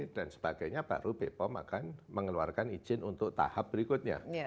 dan sebagainya baru bpom akan mengeluarkan izin untuk tahap berikutnya